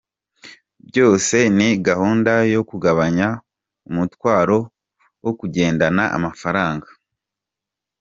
Byose ni gahunda yo kugabanya umutwaro wo kugendana amafaranga.